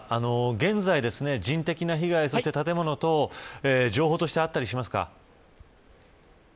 現在、人的な被害そして建物等情報としてあったりしますか。